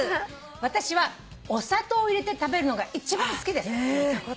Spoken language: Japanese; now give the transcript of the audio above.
私はお砂糖を入れて食べるのが一番好きです。